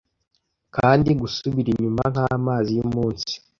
Kandi gusubira inyuma, nkamazi yumunsi